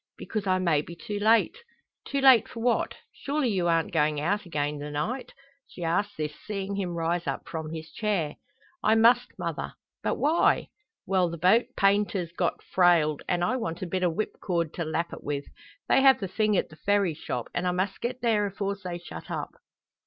"Because I may be too late." "Too late for what? Surely you arn't goin' out again the night?" She asks this, seeing him rise up from his chair. "I must, mother." "But why?" "Well, the boat's painter's got frailed, and I want a bit o' whipcord to lap it with. They have the thing at the Ferry shop, and I must get there afores they shut up."